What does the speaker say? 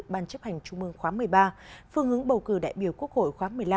ban chấp hành trung mương khóa một mươi ba phương hướng bầu cử đại biểu quốc hội khóa một mươi năm